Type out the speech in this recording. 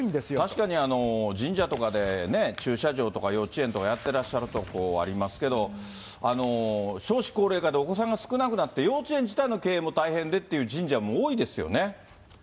確かに神社とかでね、駐車場とか幼稚園とかやってらっしゃるとこありますけども、少子高齢化でお子さんが少なくなって、幼稚園自体の経営も大変でっていう神社も多いですよね。